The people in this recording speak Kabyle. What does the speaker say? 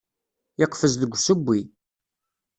Yeqfez deg usewwi.